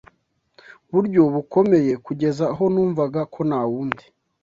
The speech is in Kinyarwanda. buryo bukomeye kugeza aho numvaga ko nta wundi